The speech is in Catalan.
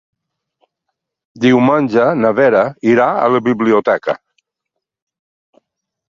Diumenge na Vera irà a la biblioteca.